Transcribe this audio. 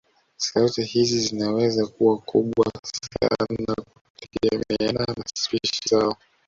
Sauti hizi zinaweza kuwa kubwa sana kutegemeana na spishi zao